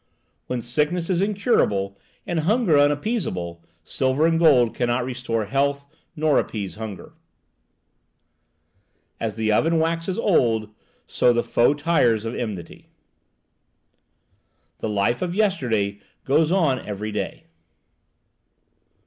"When sickness is incurable and hunger unappeasable, silver and gold cannot restore health nor appease hunger." "As the oven waxes old, so the foe tires of enmity." "The life of yesterday goes on every day."